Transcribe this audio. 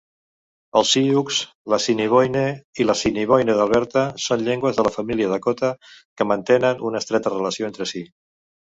El sioux, l'assiniboine i l'assiniboine d'Alberta són llengües de la família dakota que mantenen una estreta relació entre si.